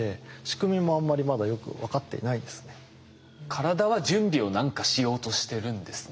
体は準備を何かしようとしてるんですね。